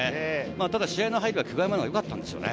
ただ試合の入ったのは久我山のほうがよかったんですよね。